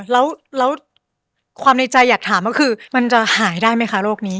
แล้วความในใจอยากถามก็คือมันจะหายได้ไหมคะโรคนี้